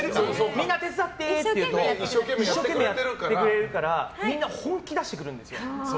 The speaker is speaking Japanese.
みんな手伝って！って言うと一生懸命やってくれるからみんな本気出してくるんですよ。